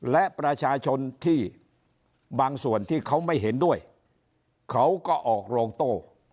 และประชาชนที่บางส่วนที่เขาไม่เห็นด้วยเขาก็ออกโรงโต้